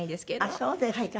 あっそうですか。